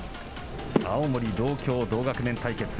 青森、同郷同学年対決。